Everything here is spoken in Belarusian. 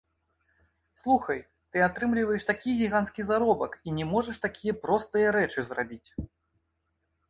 Слухай, ты атрымліваеш такі гіганцкі заробак і не можаш такія простыя рэчы зрабіць!